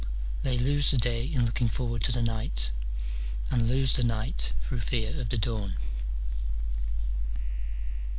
they lose the day in looking forward to the night, and lose the night through fear of the dawn.